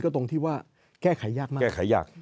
ก็ตรงที่ว่าแก้ไขยากมาก